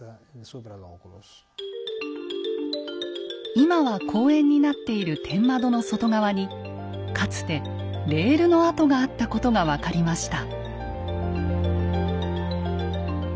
今は公園になっている天窓の外側にかつてレールの跡があったことが分かりました。